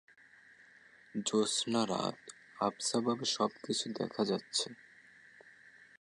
জ্যোৎস্না রাত-আবছাভাবে সবকিছু দেখা যাচ্ছে।